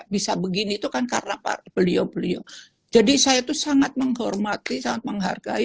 bisa begini itu kan karena beliau beliau jadi saya tuh sangat menghormati sangat menghargai